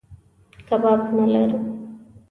کباب نه لرو.